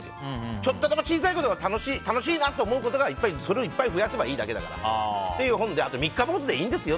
ちょっとの小さいことが楽しい楽しいなって思うことがそれをいっぱい増やせばいいんだからという本で３日坊主でいいんですよ